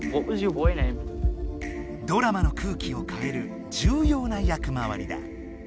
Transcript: ドラマの空気をかえる重要な役まわりだ。